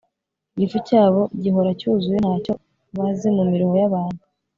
igifu cyabo gihora cyuzuye; nta cyo bazi mu miruho y'abantu